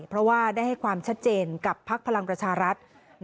เพราะว่าได้ให้ความชัดเจนกับพักพลังประชารัฐ